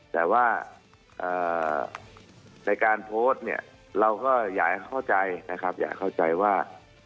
แต่ว่าในการโพสต์เราก็อยากเข้าใจว่า